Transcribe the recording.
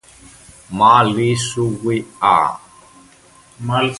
ma li suwi a.